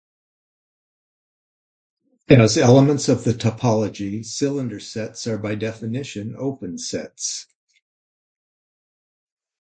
As elements of the topology, cylinder sets are by definition open sets.